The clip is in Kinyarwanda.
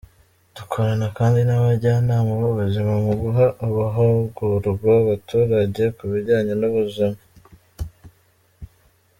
Dukorana kandi n’abajyanama b’ubuzima mu guha amahugurwa abaturage ku bijyanye n’ubuzima.